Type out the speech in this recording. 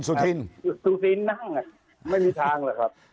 สุธินนั่งไม่มีทางเลยครับ